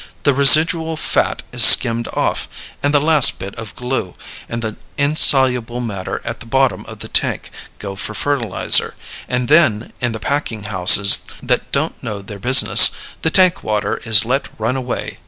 The residual fat is skimmed off, and the last bit of glue, and the insoluble matter at the bottom of the tank, go for fertilizer, and then, in the packing houses that don't know their business, the tank water is let run away.